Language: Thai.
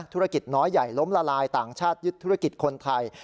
ธุรกิจน้อยใหญ่ล้มละลายต่างชาติยึดธุรกิจคนไทย